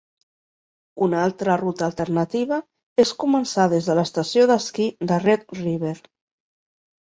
Una altra ruta alternativa és començar des de l'estació d'esquí de Red River.